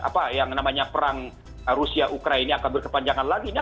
apa yang namanya perang rusia ukraine akan berkepanjangan lagi